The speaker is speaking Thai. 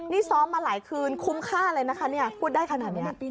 นี่ซ้อมมาหลายคืนคุ้มค่าเลยนะคะเนี่ยพูดได้ขนาดนี้